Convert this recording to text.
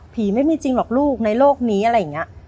ไม่มีจริงหรอกลูกในโลกนี้อะไรอย่างนี้